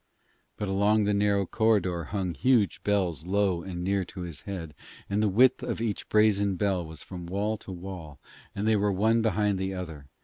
But along the narrow corridor hung huge bells low and near to his head, and the width of each brazen bell was from wall to wall, and they were one behind the other.